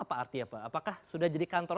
apa arti apa apakah sudah jadi kantor